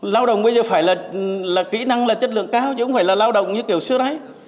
lao động bây giờ phải là kỹ năng là chất lượng cao chứ không phải là lao động như kiểu xưa đấy